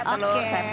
telur saya petain dulu